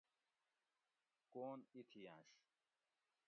کون ایتھیّنۡش